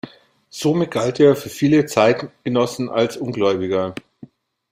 Somit galt er für viele Zeitgenossen als Ungläubiger.